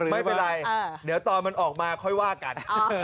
ไม่เป็นไรเดี๋ยวตอนมันออกมาค่อยว่ากัน